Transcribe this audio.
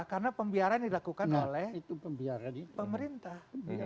karena pembiaraan dilakukan oleh pemerintah